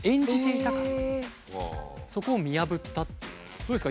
どうですか？